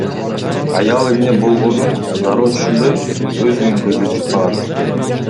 Аял эмне болгонун дароо түшүнбөй, өз үйүн көздөй чуркаган.